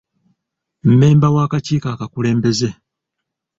Mmemba w'akakiiko akakulembeze.